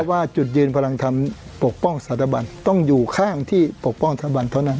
ว่าจุดยืนพลังธรรมปกป้องสถาบันต้องอยู่ข้างที่ปกป้องสถาบันเท่านั้น